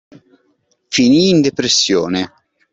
Finii in depressione.